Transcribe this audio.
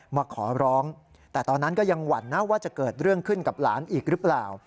มาขอร้องแต่ตอนนั้นก็ยังหวั่นนะว่าจะเกิดเรื่องขึ้นกับหลานอีกหรือเปล่า